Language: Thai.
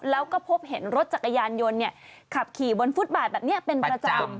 แล้วก็พบเห็นรถจักรยานยนต์ขับขี่บนฟุตบาทแบบนี้เป็นประจำ